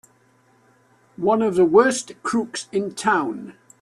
One of the worst crooks in town!